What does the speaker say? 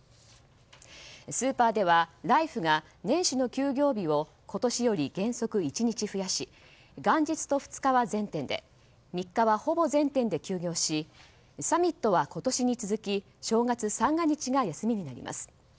スーパーではライフが年始の休業日を今年より原則１日増やし元日と２日は全店で３日は、ほぼ全店で休業しサミットは今年に続き正月三が日が休みになります。